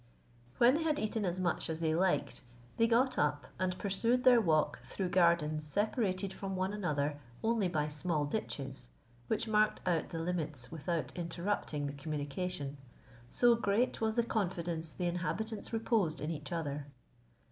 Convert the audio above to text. When they had eaten as much as they liked, they got up, and pursued their walk through gardens separated from one another only by small ditches, which marked out the limits without interrupting the communication; so great was the confidence the inhabitants reposed in each other.